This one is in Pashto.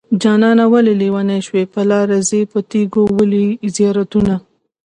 جانانه ولې لېونی شوې په لاره ځې په تيګو ولې زيارتونه